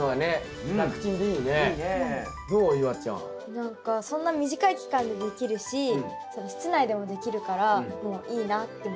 何かそんな短い期間でできるし室内でもできるからもういいなって思いました。